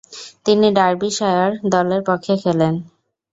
তিনি ডার্বিশায়ার দলের পক্ষে খেলেন।